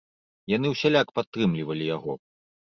Яны ўсяляк падтрымлівалі яго.